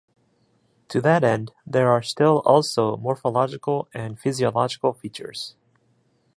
To that end, there are still also morphological and physiological features.